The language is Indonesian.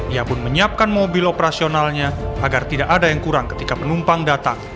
ia pun menyiapkan mobil operasionalnya agar tidak ada yang kurang ketika penumpang datang